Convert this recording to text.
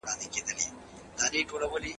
خرابات اوس د سندرو هدیره ده